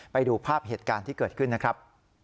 ไปดูภาพเหตุการณ์ที่เกิดขึ้นนะครับ